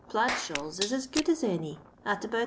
Plaid shawls is as good as any, at about Is.